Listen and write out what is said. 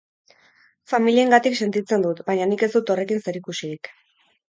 Familiengatik sentitzen dut, baina nik ez dut horrekin zerikusirik.